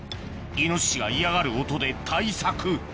イノシシが嫌がる音で対策